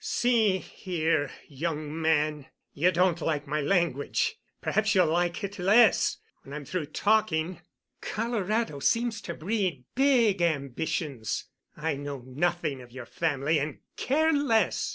"See here, young man, you don't like my language. Perhaps you'll like it less when I'm through talking. Colorado seems to breed big ambitions. I know nothing of your family and care less.